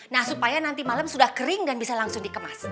nah supaya nanti malam sudah kering dan bisa langsung dikemas